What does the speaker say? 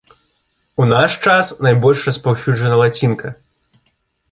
У наш час найбольш распаўсюджана лацінка.